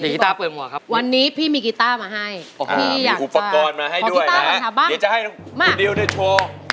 ช่วยและจู๊บ